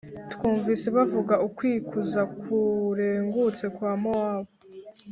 Twumvise bavuga ukwikuza kurengutse kwa Mowabu,